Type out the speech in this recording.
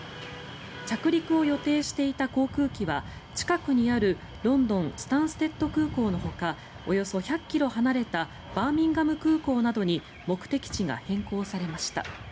着陸を予定していた航空機は近くにあるロンドン・スタンステッド空港のほかおよそ１００ｋｍ離れたバーミンガム空港などに目的地が変更されました。